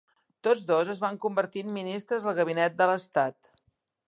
Tots dos es van convertir en ministres al gabinet de l'estat.